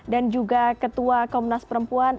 dan juga ketua komnas perempuan